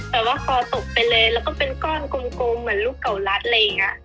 แต่ว่าคอตกไปเลยแล้วก็เป็นก้อนกลมเหมือนลูกเก่ารัดอะไรอย่างนี้